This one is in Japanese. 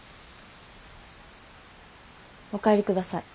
お帰りください。